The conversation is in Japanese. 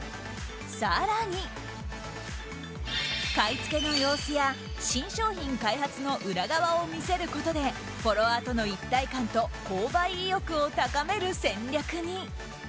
更に、買い付けの様子や新商品開発の裏側を見せることでフォロワーとの一体感と購買意欲を高める戦略に。